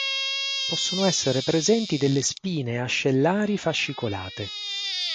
Possono essere presenti delle spine ascellari fascicolate.